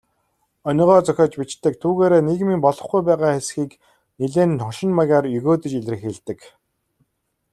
Онигоо зохиож бичдэг, түүгээрээ нийгмийн болохгүй байгаа хэсгийг нэлээн хошин маягаар егөөдөж илэрхийлдэг.